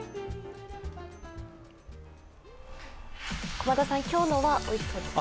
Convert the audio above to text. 駒田さん、今日のはおいしそうですか？